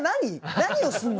何をするの？」